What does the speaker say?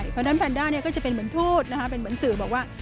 เพราะฉะนั้นแพนด้าเนี่ยก็จะเป็นเหมือนทูตนะคะเป็นเหมือนสื่อบอกว่า